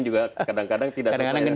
juga kadang kadang tidak sesuai kadang kadang